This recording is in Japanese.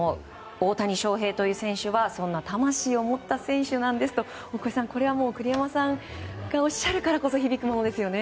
大谷翔平という選手はそんな魂を持った選手なんですと大越さん栗山さんがおっしゃるからこそ響くものですね